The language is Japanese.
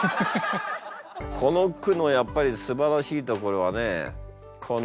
この句のやっぱりすばらしいところはねこの。